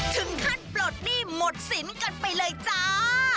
ปลดหนี้หมดสินกันไปเลยจ้า